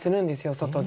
外で。